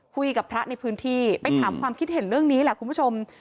คุยกับพระในพื้นที่ไปถามความคิดเห็นเรื่องนี้แหละคุณผู้ชม